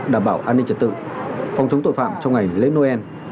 đảm bảo an ninh trật tự phòng chống tội phạm trong ngày lễ noel